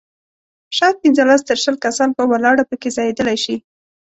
شاید پنځلس تر شل کسان په ولاړه په کې ځایېدلای شي.